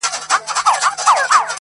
ليري له بلا سومه، چي ستا سومه.